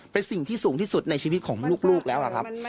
เป็นสิ่งที่สูงที่สุดในชีวิตของลูกแล้วล่ะครับ